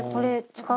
使う？